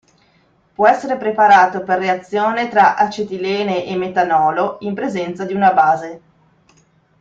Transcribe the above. Può essere preparato per reazione tra acetilene e metanolo in presenza di una base.